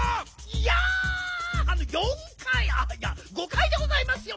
いや４かいあっいやごかいでございますよ。